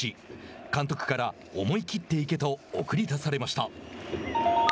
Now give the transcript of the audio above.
監督から思い切って行けと送り出されました。